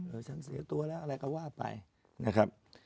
ฉันเสียตัวแล้วอะไรก็ว่าไปนะครับ